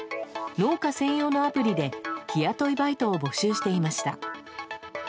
農家専用のアプリで日雇いバイトを募集していました。